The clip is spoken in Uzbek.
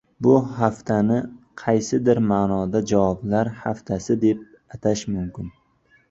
Bu haftani qaysidir ma'noda javoblar haftasi deb atash mumkin.